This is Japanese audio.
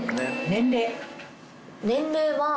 年齢は。